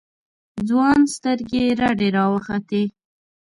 ځوان سترگې رډې راوختې.